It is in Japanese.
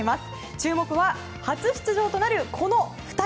注目は初出場となるこの２人。